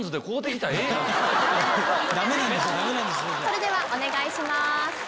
それではお願いします。